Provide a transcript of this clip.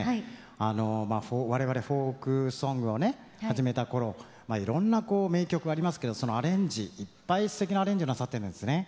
あの我々フォークソングをね始めた頃いろんな名曲ありますけどそのアレンジいっぱいすてきなアレンジなさってるんですね。